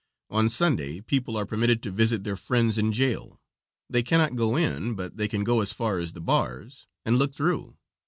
On Sunday people are permitted to visit their friends in jail. They cannot go in, but they can go as far as the bars and look through.